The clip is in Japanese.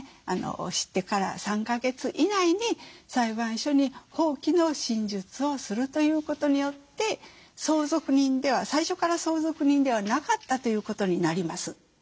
知ってから３か月以内に裁判所に放棄の申述をするということによって最初から相続人ではなかったということになります。